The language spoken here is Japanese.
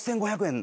６，５００円。